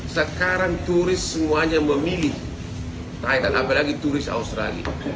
sekarang turis semuanya memilih thailand apalagi turis australia